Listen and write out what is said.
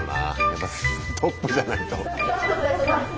やっぱトップじゃないと。